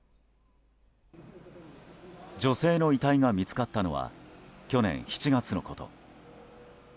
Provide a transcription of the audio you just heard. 女性の遺体が見つかったのは去年７月のこと。